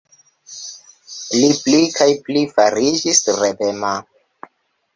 Li pli kaj pli fariĝis revema.